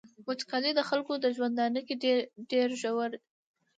وچکالي د خلکو په ژوندانه کي ډیر ژور.